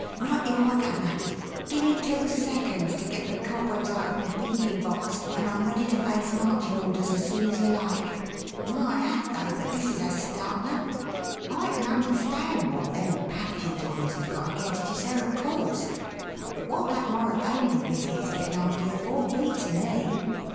"Right you are, guv'ner! Gimme two seconds to get the cobwebs out of my thinking box and I'm ready to face marching orders as soon as you like. My hat! though, but this is a startler. I can understand wot them Apache johnnies has got against you, sir, of course; but wot that Mauravanian biscuit is getting after you for beats me.